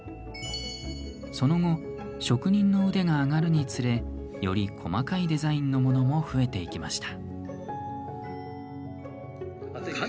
その後、職人の腕が上がるにつれより細かいデザインのものも増えていきました。